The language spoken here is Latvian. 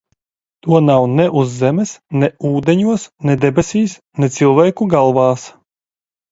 To nav ne uz zemes, ne ?de?os, ne debes?s, ne cilv?ku galv?s.